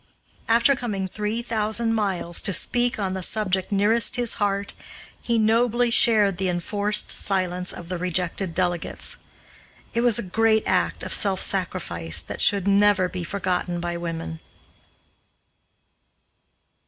After coming three thousand miles to speak on the subject nearest his heart, he nobly shared the enforced silence of the rejected delegates. It was a great act of self sacrifice that should never be forgotten by women.